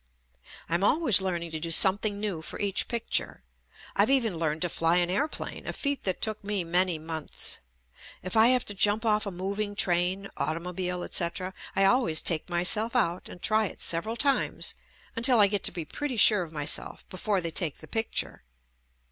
I'm always learning to do something new for each picture. I've even learned to fly an aeroplane, a feat that took me many months. If I have to jump off a moving train, automobile, etc., I always take myself out and try it several times until I get to be pretty sure of myself before they take the picture.